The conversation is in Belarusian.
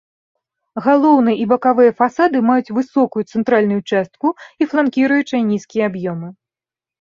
Галоўны і бакавыя фасады маюць высокую цэнтральную частку і фланкіруючыя нізкія аб'ёмы.